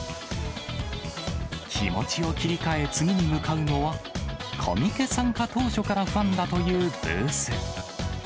気持ちを切り替え、次に向かうのは、コミケ参加当初からファンだというブース。